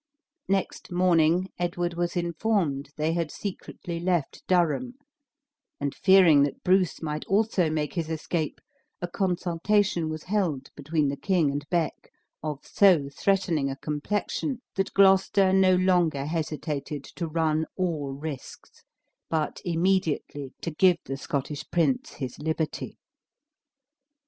Next morning Edward was informed they had secretly left Durham; and fearing that Bruce might also make his escape, a consultation was held between the king and Beck of so threatening a complexion, that Gloucester no longer hesitated to run all risks, but immediately to give the Scottish prince his liberty.